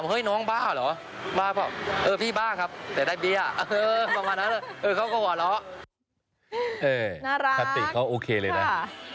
นี่บ้าหรือเปล่าครับ